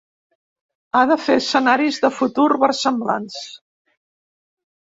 Ha de fer escenaris de futur versemblants.